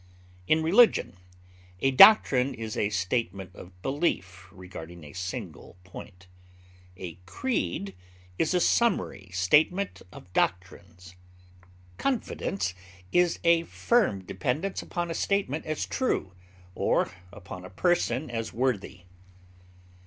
In religion, a doctrine is a statement of belief regarding a single point; a creed is a summary statement of doctrines. Confidence is a firm dependence upon a statement as true, or upon a person as worthy.